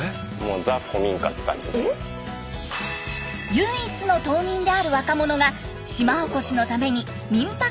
唯一の島民である若者が島おこしのために民泊施設を開業。